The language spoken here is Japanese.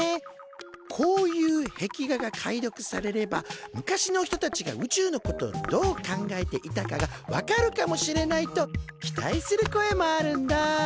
こういう壁画が解読されれば昔の人たちが宇宙のことをどう考えていたかが分かるかもしれないと期待する声もあるんだ。